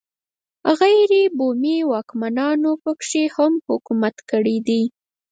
غیر بومي واکمنانو په کې حکومت کړی دی.